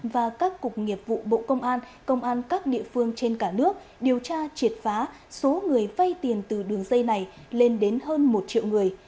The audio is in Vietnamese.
và các cục nghiệp vụ bộ công an công an các địa phương trên cả nước điều tra triệt phá số người vay tiền từ đường dây này lên đến hơn một triệu người